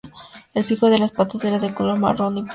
El pico y las patas son de color marrón púrpura oscuro.